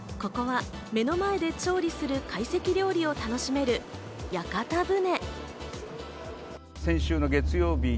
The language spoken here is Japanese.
ここは目の前で調理する会席料理を楽しめる屋形船。